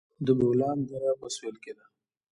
د بولان دره په سویل کې ده